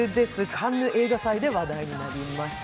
カンヌ映画祭で話題になりました